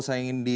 saya ingin di